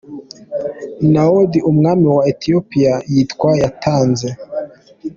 Na’od, umwami wa Ethiopia nibwo yatanze.